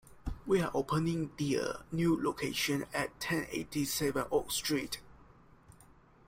We are opening the a new location at ten eighty-seven Oak Street.